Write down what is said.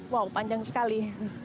wow panjang sekali